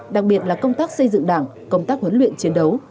đặc biệt là công tác xây dựng đảng công tác huấn luyện chiến đấu